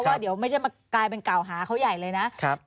ว่าเดี๋ยวไม่ใช่มากลายเป็นเก่าหาเขาใหญ่เลยนะ